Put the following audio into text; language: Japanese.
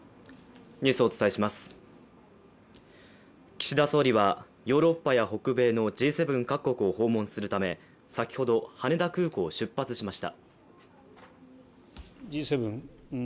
岸田総理はヨーロッパは北米のＧ７各国を訪問するため先ほど羽田空港を出発しました。